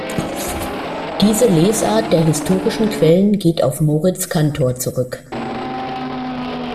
Diese Lesart der historischen Quellen geht auf Moritz Cantor zurück.